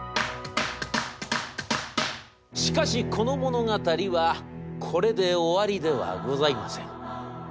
「しかしこの物語はこれで終わりではございません。